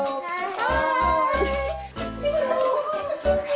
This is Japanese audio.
はい！